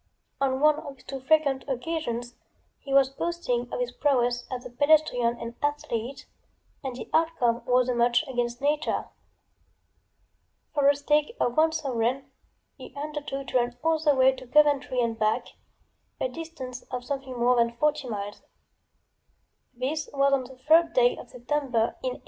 On one of these too frequent occasions he was boasting of his prowess as a pedestrian and athlete, and the outcome was a match against nature. For a stake of one sovereign he undertook to run all the way to Coventry and back, a distance of something more than forty miles. This was on the 3d day of September in 1873.